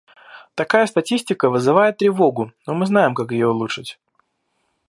Такая статистика вызывает тревогу, но мы знаем, как ее улучшить.